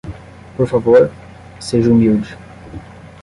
Por favor,? seja humilde.